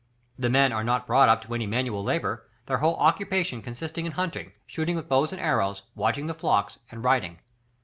The men are not brought up to any manual labour, their whole occupation consisting in hunting, shooting with bow and arrows, watching the flocks, and riding.